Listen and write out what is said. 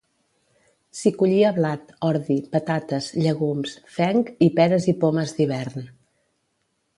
S'hi collia blat, ordi, patates, llegums, fenc i peres i pomes d'hivern.